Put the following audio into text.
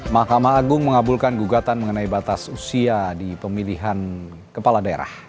mahkamah agung mengabulkan gugatan mengenai batas usia di pemilihan kepala daerah